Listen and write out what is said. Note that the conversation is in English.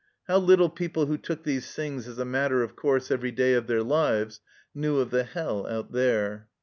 How little people who took these things as a matter of course every day of their lives knew of the hell out there